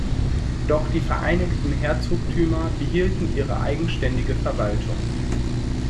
Doch die vereinigten Herzogtümer behielten ihre eigenständige Verwaltung.